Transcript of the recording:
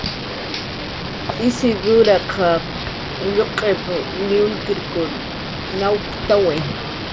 Isiduraq lluq'in niwnir nawptawi